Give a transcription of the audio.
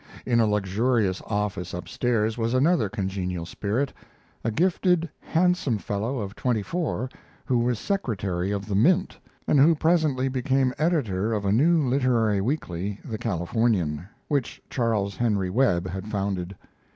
In a luxurious office up stairs was another congenial spirit a gifted, handsome fellow of twenty four, who was secretary of the Mint, and who presently became editor of a new literary weekly, the Californian, which Charles Henry Webb had founded.